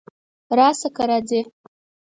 راشه! که راځې!